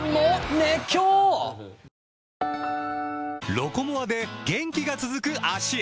「ロコモア」で元気が続く脚へ！